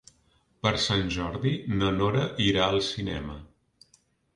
Per Sant Jordi na Nora irà al cinema.